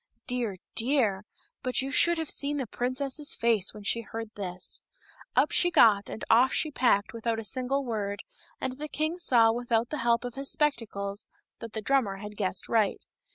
Dear, dear! but you should have seen the princess's face when she heard this ! Up she got and off she packed without a single word, and the king saw without the help of his spectacles that the drummer had guessed right.